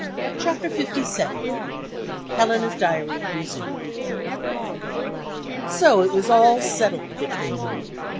CHAPTER LVII. HELENA'S DIARY RESUMED. So it was all settled between them.